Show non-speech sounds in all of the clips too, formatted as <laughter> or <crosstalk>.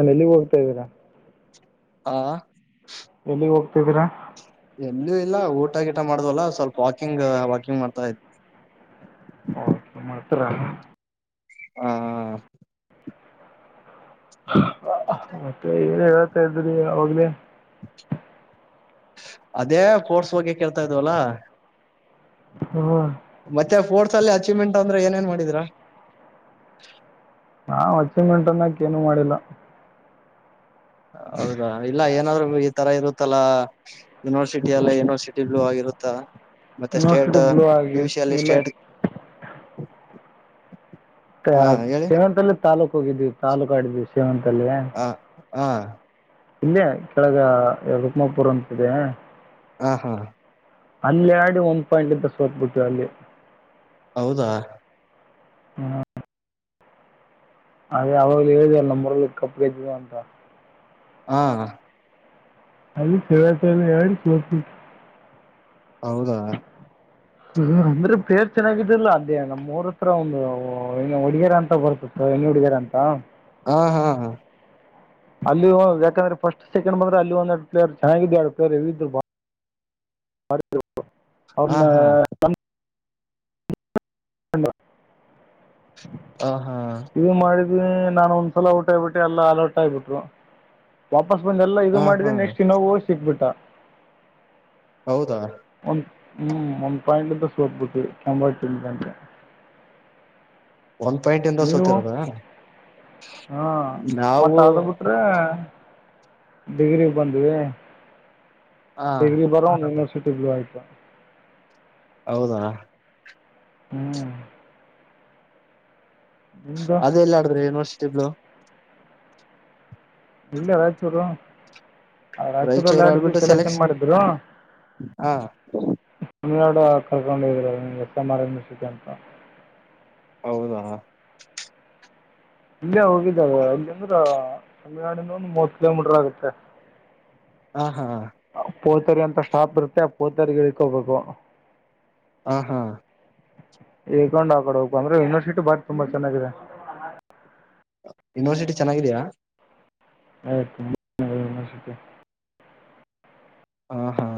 ನ್ ಎಲ್ಲಿ ಹೋಗ್ತಾ ಇದ್ದೀರಾ ಹಾ ಎಲ್ಲಿಗ್ ಹೋಗ್ತಿದ್ದೀರಾ ಎಲ್ಲೂ ಇಲ್ಲ ಊಟ ಗೀಟ ಮಾಡ್ದ್ವಲ್ಲ ಸ್ವಲ್ಪ ವಾಕಿಂಗ್ ವಾಕಿಂಗ್ ಮಾಡ್ತಾ ಇದ ಕೆ ಮಾತ್ರ ಹಾ ಮತ್ತೆ ಏನ್ ಹೇತಾ ಇದ್ರಿ ಅವಾಗ್ಲೇ ಅದೇ ಪೋರ್ಸ್ ಬಗ್ಗೆ ಕೇಳ್ತಾ ಇದ್ವಲ್ಲ ಹ್ಮ ಮತ್ತೆ ಫೋರ್ಟ್ಸ್ ಅಲ್ಲಿ ಅಚೀವ್ಮೆಂಟ್ ಅಂದ್ರೆ ಏನೇನ್ ಮಾಡಿದರ ನಾ ಹಚ್ಚಿ ಮೆಂಟನಕ ಏನು ಮಾಡಿಲ್ಲ ಹೌದಾ ಇಲ್ಲ ಏನಾದ್ರು ಈ ತರ ಇರುತ್ತಲ್ಲಾ ಯೂನಿವರ್ಸಿಟಿ ಅಲ್ಲ ಯೂನಿವರ್ಸಿಟಿ್ೂ ಆಗಿರುತ್ತ ಮತ್ತೆ ಸ್ಟೇಟ್ ಯೂನಿವರ್ಸಿಟಿ ಬ್ಲೂ ಆಗಿ ಪ ಸಿ ಅಲ್ಲಿ ಇಲ್ಲ ಸ್ಟೇಟ್ ಹಾ ಹೇಳಿ ಶೇವಂತಲ್ಲಿ ತಾಾಲೂಕ್ ಹೋಗಿದ್ವಿ ತಾಾಲೂಕ ಆಡಿದ್ವಿ ಶೇವಂತಲ್ಲಿ ಹಾ ಇಲ್ಲಯ ಕೆಳಗ ಕಮಾಪುರ್ ಅಂತಿದೆ ಹಾ ಹಾ ಅಲ್ಲಿ ಆಡಿ ಒಂದ್ ಪಾಯಿಂಟ್ ಇಂತ ಸೋತ್ಬಿಟ್ಟವಿ ಅಲ್ಲಿ ಹೌದಾ ಹಾ ಅೇ ಅವಾಗ ಎಳದು ಅ್ಣ ಮುರಳ ಕಪಡಿದ್ದ ಅಂಂತಾ ಹಾ ಅಲ್ಲಿ ಸತ ಎಲ ಹೌದಾ ಹ ಅಂದ್ರೆ ಪೇರ್ ಚೆನ್ನಾಗಿದಲ್ಲ ಅದೇ ನಮ್ಮ್ ಮೂರ ಹತ್ರ ಒಂದು ಏ ಒಡಗರ ಅಂತ ಬರ್ತ ಮಾಡಿದಾರಂತ ಹಾ ಹಾ ಹಾ ಅಲ್ಲಿ ಯಾಕಂದ್ರೆಫಸ್ಟ್ ಸೆಕಂಡ್ ಬಂದ್ರೆ ಅಲ್ಲಿ ಒಂದ ಎರಡು ಪ್ಲೇರ್ ಚೆನ್ನಾಗಿದ್ದು ಎರಡು ಪ್ಲೇಯರ್ ಇದ್ ಹಾ ಅವನ್ನ ಹಾ ನ ಹ ಹ ಹಾ ನಾನನ್ ಒಂದ್ಸಲ ಊಟ ಆಗ್ಬಿಟ್ಟು ಎಲ್ಲ ಅಲರ್ಟ್ ಆಗಬಿಟ್ರು ವಾಸ್ ಬಂದ ಎಲ್ಲ ಇ ಹಾ ಮಾಡಿದೆ ನೆಕ್ಸ್ಟ್ ಇಾೋ ಹೋ್ ಸಿಕ್ಬಿಟ್ಟಾ ಹೌದಾ ಒಂದ ಹ್ಮ್ ಒಂದ್ ಪಾಯಿಂಟ್ಂತ ಸೋಬ ಕೆಂಬಂ ಒಂದ್ ಪಾಯಿಂಟ್ ಇಂದ ನೀವು ಸೋತಿರೋದ ಹಾ ಮತ್ತ ನಾವು ಅ ಬಿಟ್ರೆ ಡಿಗ್ರಿ ಬಂದ್ವಿ ಹ ಡಿಗ್ರಿ ಬರುವೋ ಸಟಬಲ ಆಯತ ಹೌದಾ ಹ್ಮ್ ನಿಮ್ದು ಅದ ಎಲ್ಲ ಆಡ್ರೆ ಯೂನಿವರ್ಸಿಟಿಗಳು ಇಲ್ಲ ವಚ ಬಿಡ ಅವ ಆಚುರಲ್ ರಾಯಚೂರು ಆಡು ಆಡ್ಬಿಟ್ಟು ಸೆಲೆಕ್ಟ್ ಸೆಲೆಕ್ಷನ್ ಮಾಡಿದ್ರು ಹ ತಮಿಳ್ನಾಡು ಕರ್ಕೊಂಡು ಹ ಇದೀ ಎಸ್ ಎಂ ಆರ್ ಎ ಮ್ಟಿಕ ಅಂತ ಹೌದಾ ಇಲ್ಲ ಹೋಗಿದ್ದಾವ ಇಲ್ಲಂದ್ರ ತಮಿಳ್ುನಾಡಿನ ಒಂದು ಮೂವತ್ ಕಿಲೋಮೀಟರ್ ಆಗುತ್ತೆ ಹಾ ಹಾ ಹ ಪೋತರಿ ಅಂತ ಸ್ಟಾಪ್ ಇರುತ್ತೆ ಆ ಪೋತರಿ ಇಳ್ಕೋಗ್ಬೇಕು ಹ ಹಾ ಹೇಕೊಂಡ್ ಆಕಡ ಹೋಗು ಅಂದ್ರೆ ಯೂನಿವರ್ಸಿಟಿ ಬಾರಿ ತುಂಬಾ ಚೆನ್ನಾಗಿದೆ ಯೂನಿವರ್ಸಿಟಿ ಚೆನ್ನಾಗಿದಯಾ ಆಯತು ಹಾ ಹಾ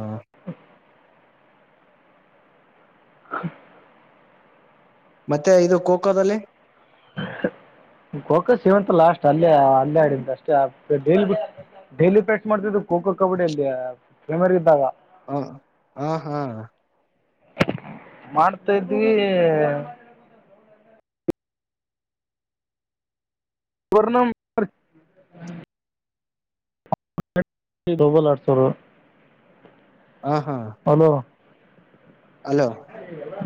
ಹ ಮತ್ತೆ ಇದು ಕೋಖೋದಲ್ಲಿ ಹ ಕೋಕಸ್ ಇಂತ ಲಾಸ್ಟ್ ಅಲ್ಲೇ ಅಲ್ಲೇ ಆಡ ಅಷ್ಟೇ ಡಲಿ ಡೈಲಿ ಪ್ರಕ್ಟಸ್ ಮಾಡ್ತಿದ್ದ ಖೋ ಖೋ ಕಬಡ್ಡಿಯ ಅಲ್ಲಿ ಪ್ರೇಮರ್ ಇದ್ದಾಗ ಹ ಹಾ ಹಾ ಮಾಡ್ತಾಿದ್ವಿ ಸ್ರ್ಣ ೊಬಲ್ ಅಡ್ತರು ಹ ಹಾ ಅಲೋ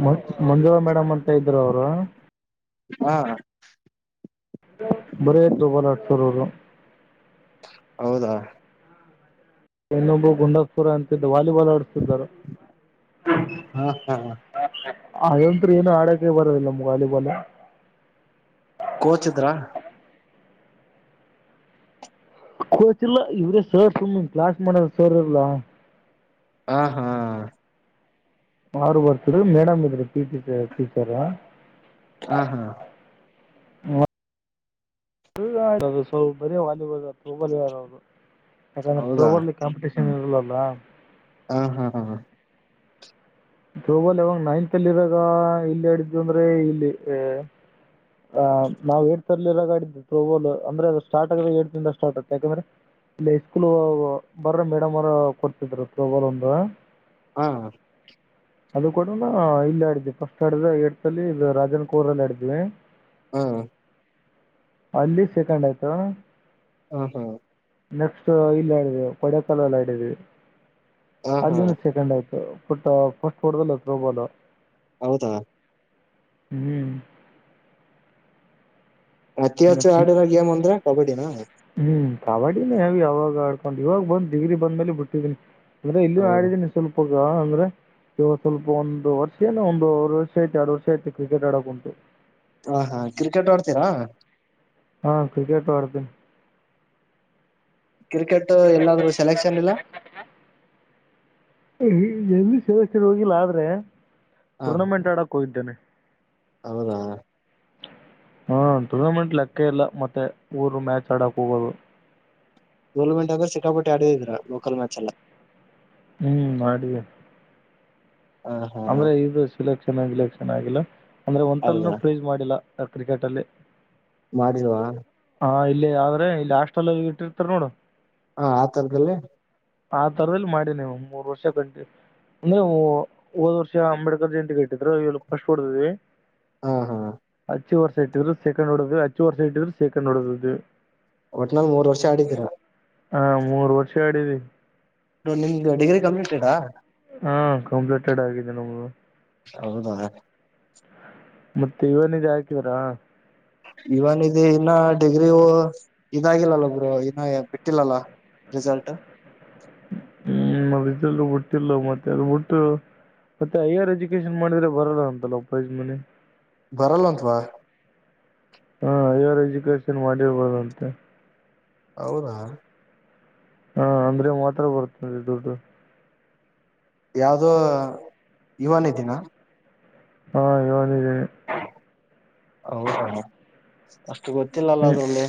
ಮ ಮಂಜುಳಾ ಮೇಡಮ್ ಅಂತ ಇದ್ರು ಅವರು ಹಾ ಬರೆಯ ಪ್ರಬಲ್ ಅಡ್ಸರ್ರು ಹೌದಾ ತನೂ ಬ ಗುಂಡಪುರ ಅಂತ ದವಾರ ಓಲಾಡತಾರ ಹ ಹಾ ಆ ಂತ್ ಏನು ಆಡೋಕೆ ಬರದಿಲ್ಲ ನಮ್ ವಾಲಿಬಾಲ್ ಕೋಚ್ಿದ್ರಾ ಕೋಚ್ಲ್ಲ ಇವ್ರ ಸರ್ ಸ ಕ್ಲಾಸ್ ಮಾಡಡರ್ ಸರ್ ಇಲ್ಲ ಹ ಹಾ ಆರು ವಾರಷರು ಮೇಡಮ ಇದ್ರಟಚ ಟೀಚರಾ ಹಾ ಹಾ ಅದು ಸ ಬರೀ ವಾಲಿಬಲ್ ಹಬಲಿಯಾರ ಅವರು ಹೌದಾ ಯಾಕಂದ್ರೆೋವರ್ ಕಂಪಿಟೀಷನ್ ಇರಲಲ್ಲ ಹಾ ಹಾ ಹಾ ಥ್ರೋಬಾಲ್ ಯಾಗ ನೈನ್ತ್ ಅಲ್ಲಿ ಇದರಾಗ ಇಲ್ಲಿ ಆಡಿದು ಅಂದ್ರೆ ಇಲ್ಲಿ ಆ ನವು ಏಡ್ ತರ್ಲಿ ಎಲ್ಲಾಡಿದ್ದೆ ಥತ್ರೋಬಾಲ್ ಅಂದ್ರೆ ಅದು ಸಾರ್ಟ್ ಆಗದೆ ಏಡ್ಿಂದ ಸ್ಟಾರ್ಟ್ ಆಗತೆ ಯಾಕಂದ್ರೆ ಇಲ್ಲಐ ಸ್ಕೂಲ್ ಬರ್ರ ಮೇಡಮ್ ಅವ್ರ ಕೊಡ್ತಿದ್ರ ಪ್ರಬಲ್ ಒಂದ ಹಾ ಅದು ಕಡನ ಇಲ್ಲಿ ಆಡಿದ್ವಿ ಫಸ್ಟ್ ಆಡಿದ ಎಡ್ತಲ್ಲಿ ಇ ರಾಜನ್ ಕೋರಲ್ಲಿ ಆಡಿದ್ವಿ ಹಾ ಅಲ್ಲಿ ಸೆಕಂಡ್ ಆಯ್ತು ಹ್ಮ ಹ್ಮ ನೆಕ್ಸ್ಟ್ ಇಲ್ಲಿ ಆಡಿದೀವಿ ಕೊಡೈಕನಾಲ್ ಆಡಿದ್ದೀವಿ ಹಾ ಅಲ್ಲಿನ ಸೆಕೆಂಡ್ ಆಯ್ತು ಬಟ್ ಫಸ್ಟ್ ಕೊಡದಲ್ಲ ೋಬಾಲ್ ಹೌದಾ ಹ್ಮ್ ಅತಿ ಹಾಸ ಮತ್ತ ಆಡಿರೋ ಗೇಮ್ ಅಂದ್ರೆ ಕಬಡ್ಡಿನ ಹ್ಮ್ ಕಬಡ್ಡಿನೇ ಹ ಅವಾಗ ಆಡ್ಕೊಂಡ್ ಇವಾಗ ಬಂದ್ ಡಿಗ್ರಿ ಬಂದ್ಮೇಲೆ ಬಿಟ್ಟಿದನಿ ಅಂದ್ರೆ ಇಲ್ಲಿ ಹೌದು ಮಾಡಿದೀನಿ ಸ್ವಲ್ಪಗ ಅಂದ್ರೆ ಇವಾಗ ಸ್ವಲ್ಪ ಒಂದು ವರ್ಷ ಏ ಒಂದು ವರ್ಷ ಐತ ಎರಡು ವರ್ಷ ಯತು ಕ್ರಿಕೆಟ್ ಆಡೋಕ್ಂಟು ಹ ಹಾ ಕ್ರಿಕೆಟ್ ಅಡ್ತಿಯಾ ಹಾ ಕ್ರಿಕೆಟ್ ಪಡತ ಕ್ರಿಕೆಟ್ ಎಲ್ಲಾದ್ರೂ ಸೆಲೆಕ್ಷನ್ ಇಲ್ಲ ಎಲ್ಲಿ ಸದಸ್ಯರು ಹೋಗಿಲ್ಲ ಆದ್ರೆ ಹಾ ಟೂರ್ನಮೆಂಟ್ ಆಡಕ್ ಹೋಗಂತೇನೆ ಹೌದಾ ಹಾ ಟೂರ್ನಮೆಂಟ್ ಲೆಕ್ಕ ಇಲ್ಲ ಮತ್ತೆ ಊರು ಮ್ಯಾಚ್ ಆಡಕ್ ಹೋಗೋದು ಗೋಲ್ಮೆಂಟ್ ಆಗರು ಸಿಕ್ಕಾಪಟ್ಟಿ ಆಡಿದೀರ ಲೋಕಲ್ ಮ್ಯಾಚ್ ಎಲ್ಲ ಹ್ಮ್ ಮಾಡಿ ಹ ಹಾ ಅಂದ್ರೆ ಇದು ಸಿಲೆಕ್ಷನ್ಲೆಕ್ಷನ್ ಆಗಿಲ್ಲ ಅಂದ್ರೆ ಒಂತಲ್ಲ ಹೌದಾ ಪ್ರೈಸ್ ಮಾಡಿಲ್ಲ ಕ್ರಿಕೆಟ್ ಅಲ್ಲಿೇ ಮಾಡವಾ ಹಾ ಇಲ್ಲೇ ಆದ್ರೆ ಇಲ್ಲಿ ಅಷ್ಟಲ್ಲ ಇಟ್ಟಿರ್ತಾರ ನೋಡು ಹಾ ಆಥರ್ದಲ್ಲ ಆ ತರದಲ್ಲಿ ಮಾಡಿ ನೀವು ಮೂರ್ ವರ್ಷ ಕಂಟಂದವು ಹೋದ್ ವರ್ಷ ಅಂಬೇಡ್ಕರ್ ಜಯಂತಿ ಕಟ್ಟಿದ್ರು ಇ ಫಸ್ಟ್ ಹೊಡದ್ವಿ ಹಾ ಹಾ ಹಚ್ಚು ವರ್ಷ ಇಟ್ಟಿದ್ರರು ಸೆಕಂಡ್ಡೋದು ಹಚ್ಚು ವರ್ಷ ಇಟ್ಟಿದ್ ಸೆಕೆಂಡ್ ನಡದದು ಒಟ್ನಾಲ್ ಮೂರ್ ವರ್ಷ ಆಡಿದ್ದೀರ ಹಾ ಮೂರು ವರ್ಷ ಆಡಿದೆ ನಿಮ್ದ ಡಿಗ್ರಿ ಕಂಪ್ಲೀಟ್ ಇರಾ ಹಾ ಕಂಪ್ಲೀಟೆಡ್ ಆಗಿದೆ ನಮ್ದು ಹೌದಾ ಮತ್ತೆ ಇವನಜ ಹಾಕಿದಾರಾ ಇವನ್ಿದ ಇನ್ನ ಡಿಗ್ರಿು ಇದಾಗಿಲ್ಲಲ್ಲ ಒಬ್ರು ಇನ್ನ ಬಿಟ್ಟಿಲ್ಲಲ್ಲ ರಿಿಸಲ್್ಟ ಹ್ಮ್ ಅದಲ್ಲ ಬಿಟ್ಟಿಲ್ಲ ಮತ್ತೆ ಅದು ಬಿಟ್ಟು ಮತ್ತೆ ಹೈಯರ್ ಎಜುಕೇಶನ್ ಮಾಡಿದ್ರೆ ಬರಲ್ಲ ಅಂತಲ್ಲ ಉಪಯಜ ಮನೆಿ ಬರಲ್ಲಂತ್ವಾ ಹಾ ಹೈಯರ್ ಎಜುಕೇಶನ್ ಮಾಡಿರ್ಬೋದಂತೆ ಹೌದಾ ಹಾ ಅಂದ್ರೆ ಮಾತ್ರ ಬರ್ತ್ತನರಿ ದುಡ್ಡು ಯಾವ್ದೋ ಇವನ್ ದಿನ ಹಾ ಯನ್ಿದ್ದಿ ಹೌ ಗೊತ್ತಿಲ್ಲಲ್ಲ ಅದ ಹ್ಮ್ ಒಳ್ಳೆ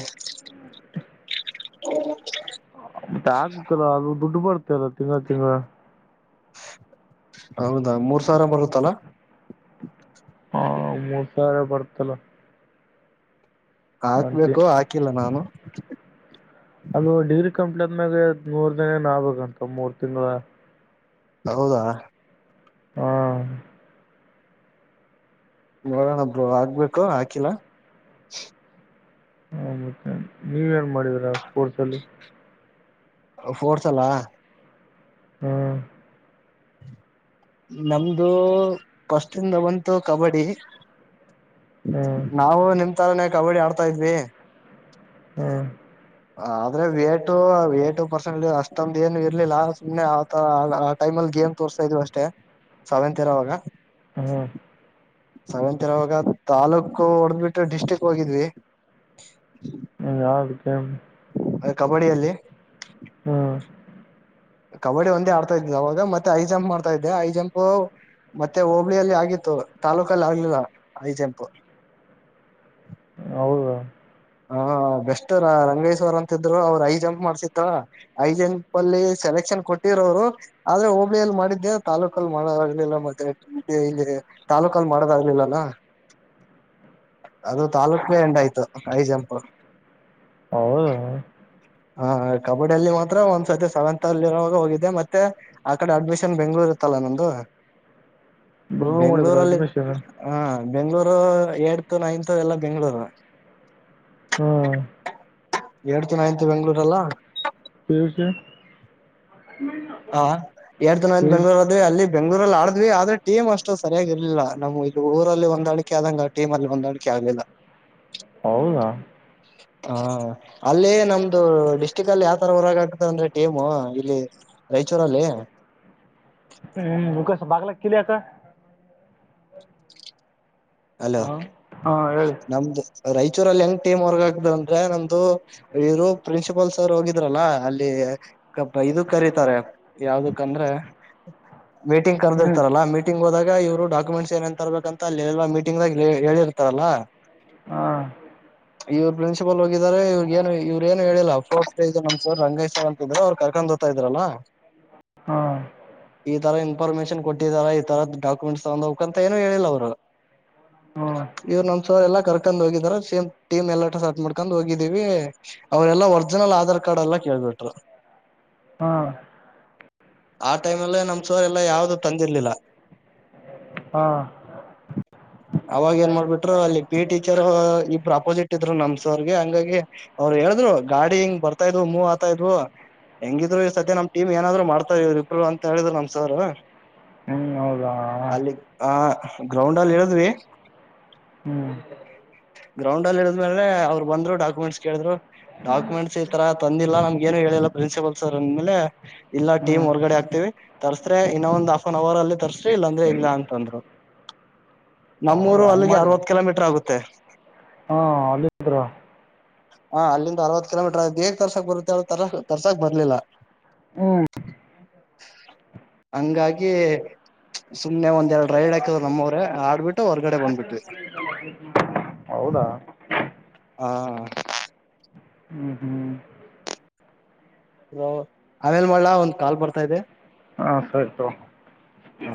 ಮ ಆಗ್ಕ್ಕಲ್ಲ ಅದು ದುಡ್ಡು ಬರ್ತ ಅಲ್ಲ ತಿಂಗಗಳ ತಿಂಗ ಹೌದಾ ಮೂರ್ ಸಾವಿರ ಬರುತ್ತಲಾ ಹಾ ಮೂ ಸಾರ ಬಡ್ತಲ್ಲ ಹಾಕ್ಬೇಕು ಹಾಕಿಲ್ಲ ನಾನು ಅಲ್ ಡಿಗ್ರಿ ಕಂಪ್ಲೀಟ್ ಆದ್ಮ್ಯಾಗ ಮೂರ್ ದಿನ ಆಗ್ಬೇಕಂತ ಮೂರ್ ತಿಂಗಗಳ ಹೌದಾ ಹ್ಮ ನೋಡೋಣ ಒಬ್ರು ಆಾಗ್ಬೇಕು ಹಾಕಿಲ್ಲ ಹ ಮತ್ತೆ ನೀವ ಏನ್ ಮಾಡಿದರಾ ಸ್ಪೋರ್ಟ್ಸ ಅಲ್ಲಿ ಫೋರ್ಸಲಾ ಹ್ಮ ನಮ್ದು ಫಸ್ಟ್ಂದ ಬಂತು ಕಬಡ್ಡಿ ಹ್ಮ್ ನಾವು ನಿಮ್ ತಾಲನೆೇ ಕಬಡ್ಡಿ ಆಡ್ತಾ ಇದ್ವಿ ಹ್ಮ್ ಆದ್ರೆ ವೇಟು ವೇಟು ಪರ್ಸೆಂಟ್ ಅಷ್ಟೊಂದು ಏನು ಇರ್ಲಿಲ್ಲ ಸುಮ್ನೆ ಆತ ಆ ಟೈಮಲ್ಲಿ ಗೇಮ್ ತೋರ್ತಾ ಇದೀವಿ ಅಷ್ಟೇ ಸಾವವೆಂತತ್ ಇರೋವಾಗ ಹ್ಮ ಸಾವಂತರವಾಗ ತಾಲೂಕು ಹೊಡೆದ್ ಬಿಿಟ್ಟು ಡಿಸ್ಟ್ರಿಕ್ ಹೋಗಿದ್ವಿ ಹ್ಮ ಯಾ ಅದಕ್ಕೆ ಅದ ಕಬಡ್ಡಿಯಲ್ಲಿ ಹಾ ಕಬಡ್ಡಿ ಒಂದೇ ಆಡ್ತಾ ಇದಿದೆ ಅವಾಗ ಮತ್ತೆ ಐ ಜಂಪ್ ಮಾಡ್ತಾ ಇದೆ ಐ ಜಂಪ್ ಮತ್ತೆ ಹೋಬ್ಳಿಯಲ್ಲಿ ಆಗಿತ್ತು ತಾಲೂಕ ಲಾಗಲ ಆಐಜೆಂಪು ಹೌ ಹಾ ಬೆಸ್ಟ ರಂಗೇಶ್ವರ್ ಅಂತಿದ್ರು ಅವರು ಐದು ಜಂಪ್ ಮಾಡ್ಸತ್ತ ಐದು ಜಂಪ್ ಅಲ್ಲಿ ಸೆಲೆಕ್ಷನ್ ಕೊಟ್ಟಿ ಆದ್ರೆ ಹೋಬಳಿಯಲ್ಲಿ ಮಾಡಿದ್ದೆ ತಾಲೂಕಲ್ ಮಾಡಲಿಲ್ಲ ಮತ್ತೆ ತಾಲೂಕ ಮಾಡದಾಗಲಿಲ್ಲಲ್ಲ ಅದು ತಾಲೂಕೇ ಎಂಡ್ ಆಯ್ತು ಹೈ ಜಂಪ್ ಹೌ ಹ ಕಬಡ್ಡಿಯ ಅಲ್ಲಿ ಮಾತ್ರ ಒಂದ್ಸರ್ತಿ ಸೆವೆಂತ್ ಅಲ್ಲಿ ಇರರುವಾಗ ಹೋಗಿದ್ದೆ ಮತ್ತೆ ಆ ಕಡೆ ಅಡ್ಮಿಷನ್ ಬೆಂಗ್ಳೂರ್ ತ್ತಲ್ಲ ನಂದು ಬ್ರದರ್ ಮಾಡಿದ್ರ ಬೆಂಗಗಳೂರಲ್ಲಿ ಅಡ್ಮಿಷನ್ ಹ ಬೆಂಗ್ಳೂರು ಎಏಡ್ತ ನೈನ್ತ್ ಎಲ್ಲಾ ಬೆಂಗ್ಗಳೂರು ಹ್ಮ ಎಡ್ತ ನೈನ್ತ್ ಬೆಂಗ್ಳೂರ್ಲ್ಲ ಸೇವಸ ಹ ಎರ ದಿನ ಸಿ ಬೆಂಗ್ಳೂರ್ದ್ವಿ ಅಲ್ಲಿ ಬೆಂಗ್ೂರಲ್ಲಿ ಆ ಅ ಆದ್ರೆ ಟೀಮ್ ಅಷ್ಟು ಸರಿಯಾಗಿರ್ಲಿಲ್ಲ ನಮ್ ಇಲ್ಲಿ ಊರಲ್ಲಿ ಒಂದ ಅಳಿಕೆ ಆದಂಗ ಆಟೀಮ್ ಅಲ್ಲಿ ಒಂದ್ ಅಳಿಕೆ ಆಗ್ಲಿಲ್ಲ <inaudible> ಹೌದಾ ಹಾ ಅಲ್ಲಿ ನಮ್ದು ಡಿಸ್ಟ್ರಿಕ್ ಅಲ್ಲಿ ಯಾವತರ ಹೊರಗ ಆಗ್ತದ ಅಂದ್ರೆ ಟೀಮು ಇಲ್ಲಿ ರೈಚೂರಲ್ಲಿ ಹ್ಮ್ ಕಸ ಬಾಗಲ ಕಲಕ್ಕ ಅಲೋ ಹಾ ಹಾ ಹೇಳಿ ನಮ್ದು ರಾಯಚೂರಲ್ಲಿ ಹೆಂಗ ಟೀಮ್ ವರ್ಗ ಆಕ್ದಂದ್ರೆ ನಮ್ದು ಇರು ಪ್ರಿನ್ಸಿಪಾಲ್ ಸರ್ ಹೋಗಿದ್ರಲ್ಲ ಅಲ್ಲಿ ಇದುಕ್ ಕರತಾರೆ ಯಾವ್ದಕ್ಂದ್ರೆ ಮೀಟಿಂಗ್ ಹ್ಮ್ ಕದಿರ್ತಲ್ಲ ಮಟಿಂಗ್ೋದಾಗ ಇವರುಡಾಕ್ಯುೆಂಟ್ಸ್ ಏನ್ ತರಬೇಕ ಅಲ್ಲಿಲ್ಲ ಂಗಾಗ ಹೇಳಿರ್ತಾರಲ್ಲಾ ಹಾ ಇವ್ ಪ್ರಿನ್ಸಿಪಲ್ ಹೋಗಿದಿದ್ದಾರೆ ಇವ್ರ ಏನು ಇವ್ರ ಏನು ಹೇಳಿಲ್ಲ ಫೋಸ್ ಸ್ಟಜ್ ನಮ್ರ್ ರಂಗೇಶ್ವರ್ ಅಂತ್ರ ಅವ್ ಕರ್ಕೊಂಡ್ೋಗ ತ ಇದ್ರಲ್ಲ ಹಾ ಈ ತರ ಇ ಇನ್ಫಾರರ್ಮೇಶನ್ ಕೊಟ್ಟಿದಾರ ಈ ತರದ ಡಾಕ್ಯುಮೆಂಟ್ ತಗ್ ಹೋಗಕ್ ಅಂತ ಏನು ಹೇಳಿಲ್ಲ ಅವರು ಹಾ ಇವ್ ನಮಸ ಎಲ್ಲ ಕರ್ಕೊಂಡ್ ಹೋಗಾರ ಸೇಮ್ಟಮ್ ಎಲ್ಲ ಸ ಮಾಡ್ಕೊಂಡ್ ಹೋಗಿದೀವಿ ಅವ್ರರೆಲ್ಲ ಒರ್ಜಿನಲ್ ಆಧಾರ್ ಕಾರ್ಡ್ ಎಲ್ಲ ಕೇಳ್ಬಟ್ರ ಹಾ ಆ ಟೈಮ್ಲ್ಲೇ ನಮ್ ಸೋರೆಲ್ಲಾ ಯಾವ್ದು ತಂದಿರ್ಲಿಲ್ಲ ಹಾ ಅವಾಗ ಏನ್ ಮಾಡ್ಬಿಟ್ರು ಅಲ್ಲಿ ಪಿ ಟೀಚರ್ ಈ ಪ್ರಾಪೋಸಿಟ್ ಇದ್ರು ನಮ್ಸ ಅವರ್ಗೆ ಹಂಗಾಗಿ ಅವ್ರಿಗೆ ಹೇಳಿದ್ರು ಗಾಡಿ ಹಿಂಗ್ ಬರ್ತಾ ಇದ್ವು ಮೂವ್ ಆಾತಾ ಇದ್ವು ಹೆಂಗಿದ್ರು ಸದ್ಯ ನಮ್ ಟೀಮ್ ಏನಾದ್ರು ಮಾಡ್ತಾರೆ ಇವ್ರಿ ಇಬ್ರು ಅಂತ ಹೇಳಿದ್ರು ನಮ್ಸಾರ್ ಹ್ಮ್ ಹೌದಾ ಆ ಗ್ರೌಂಡ್ ಅಲ್ಲಿ ಹೇಳದ್್ರಿ ಹ್ಮ್ ಗ್ರೌಂಡ್ ಅಲ್ಲಿ ಇಡಿದ್ಮೇಲೆೆ ಅವರು ಬಂದ್ರು ಡಾಕ್ಯುಮೆಂಟ್ಸ್ ಕೇಳ್ರು ಡಾಕ್ಯುಮೆಂಟ್ಸ್ ಈ ತರ ತಂದಿಲ್ಲ ನಮ್ಗೇನು ಹೇಳಿಲ್ಲ ಪ್ರಿನ್ಸಿಪಲ್ ಸರ್ ಅಂದ ಮೇಲೆ ಇಲ್ಲ ಟೀಮ್ ಹ್ಮ್ ಹೊರ್ಗಡೆ ಆಗ್ತೇವಿ ತರ್ಸ್ರೆ ಇನ್ನ ಒಂದ್ ಆಫ್ ಆನ್ ಅವರ್ ಅಲ್ಲಿ ತರ್ಸ್ರಿ ಇಲ್ಲಾಂದ್ರೆ ಇಲ್ಲ ಅಂತಂದ್ರು ನಮ್ಮೂರು ಹೌದಾ ಹಂಗ್ ಅಲ್ಲಿಗೆ ಮಾಡಿದನ ಅರವತ್ತು ಕಿಲೋಮೀಟರ್ ಆಗುತ್ತೆ ಹ ಅಲ್ಲೆಹೆಲ್ಡೆರ ಹಾ ಅಲ್ಲಿಂದ ಅರವತ್ ಕಿಲೋಮೀಟರ್ ಆಗ ಹೇಗ್ ತರ್ಸಾಕ್ ಬರುತ್ತೆ ಅವ ತರ ತರ್ಸಾಕ್ ಬರ್ಲಿಲ್ಲ ಹ್ಮ್ <inaudible> ಹಂಗಾಗಿ ಸುಮ್ನೆ ಒಂದ್ ಎರಡು ರೈಡ್ ಆಾಕ್ ನಮ್ಮವ್ರ ಆಡ್ಬಿಟ್ಟು ಮ ಹೊರ್ಗಡೆ ಬಂದ್ಬಿಟಿ ಹೌದಾ ಹಾ ಹ್ಮ್ ಹ್ಮ್ ಆಮೇಲ್ ಮಾಡ್ಲಾ ಒಂದ್ ಕಾಲ್ ಬರ್ತಾ ಇದೆ ಹಾಂ ಸರಿತ ಹಾ